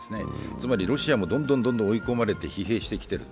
つまりロシアもどんどん追い込まれて疲弊してきている。